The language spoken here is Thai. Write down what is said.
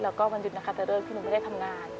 แล้วก็วันหยุดนะคะแต่เลิกที่หนูไม่ได้ทำงาน